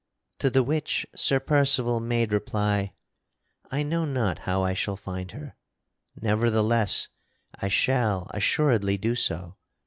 To the which Sir Percival made reply: "I know not how I shall find her, nevertheless, I shall assuredly do so.